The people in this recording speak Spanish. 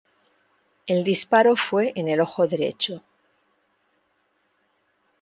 El disparo fue en el ojo derecho.